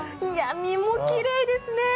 身もきれいですね。